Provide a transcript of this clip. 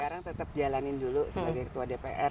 sekarang tetap jalanin dulu sebagai ketua dpr